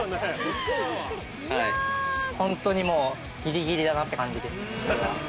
ホントにもうギリギリだなっていう感じです。